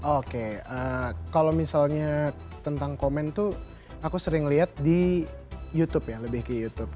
oke kalau misalnya tentang komen tuh aku sering lihat di youtube ya lebih ke youtube